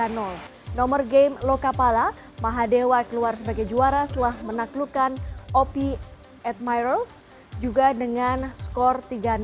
nomor game loka pala mahadewa keluar sebagai juara setelah menaklukkan op admirals juga dengan skor tiga